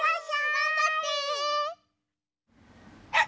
がんばって！